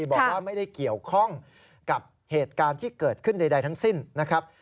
บอกว่าไม่ได้เกี่ยวข้องกับเหตุการณ์ที่เกิดขึ้นใดทั้งสิ้นนะครับ